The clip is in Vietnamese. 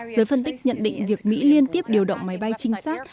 giới phân tích nhận định việc mỹ liên tiếp điều động máy bay trinh sát